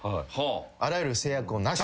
あらゆる制約をなしと。